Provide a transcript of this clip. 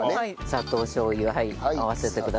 砂糖しょう油はい合わせてください